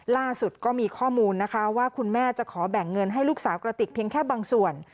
ล่าสุดก็มีข้อมูลนะคะว่าคุณแม่จะขอแบ่งเงินให้ลูกสาวกระติกเพียงแค่บางส่วน